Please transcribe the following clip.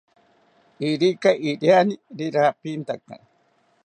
Irika iriani rirapintaka